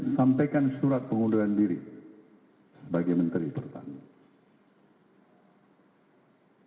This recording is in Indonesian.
sampaikan surat pengunduhan diri bagi menteri pertanian